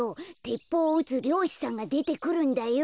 てっぽうをうつりょうしさんがでてくるんだよ。